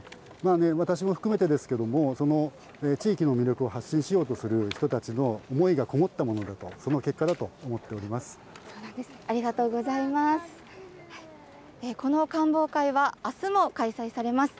私も含めてですけれども、その地域の魅力を発信しようとする人たちの思いがこもったものだと、その結果だと思っております。